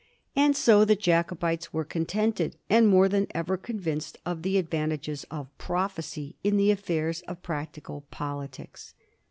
And so the Jacobites were contented, and more than ever convinced of the advan tages of prophecy in the affairs of practical politics.